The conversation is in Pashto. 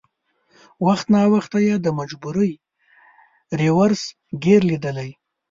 وخت ناوخت یې د مجبورۍ رېورس ګیر لېدلی.